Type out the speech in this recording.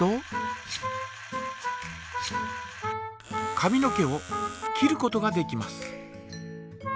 髪の毛を切ることができます。